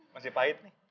masih pahit nih